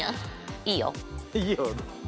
いいよ。